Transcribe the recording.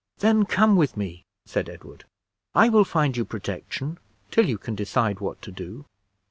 "Then come with me," said Edward, "I will find you protection till you can decide what to do.